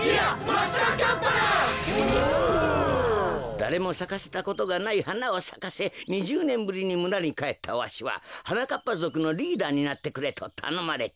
だれもさかせたことがないはなをさかせ２０ねんぶりにむらにかえったわしははなかっぱぞくのリーダーになってくれとたのまれた。